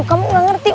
kamu nggak ngerti